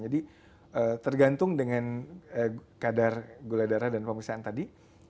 jadi tergantung dengan kadar gula darah dan pemisahan tadi